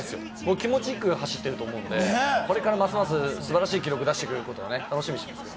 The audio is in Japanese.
気持ちよく走ってると思うので、これからますます、素晴らしい記録を出してくれるのを楽しみにしています。